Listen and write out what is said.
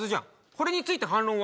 これについて反論はある？